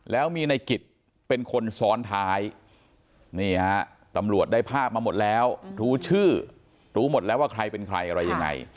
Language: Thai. แล้วมีในกิจเป็นคนซ้อนท้ายนี่ฮะตำรวจได้ภาพมาหมดแล้วรู้ชื่อรู้หมดแล้วว่าใครเป็นใครอะไรยังไง